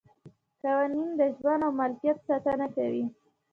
قوانین د ژوند او ملکیت ساتنه کوي.